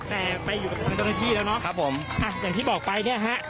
แต่ไปอยู่กับทางเจ้าหน้าที่แล้วเนอะครับผมอ่ะอย่างที่บอกไปเนี่ยฮะ